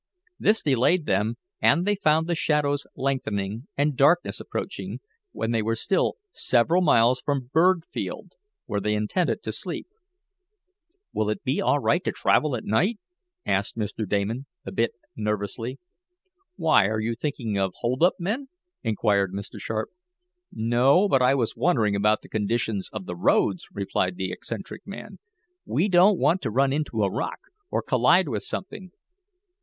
This delayed them, and they found the shadows lengthening, and darkness approaching, when they were still several miles from Burgfield, where they intended to sleep. "Will it be all right to travel at night?" asked Mr. Damon, a bit nervously. "Why, are you thinking of hold up men?" inquired Mr. Sharp. "No, but I was wondering about the condition of the roads," replied the eccentric man. "We don't want to run into a rock, or collide with something."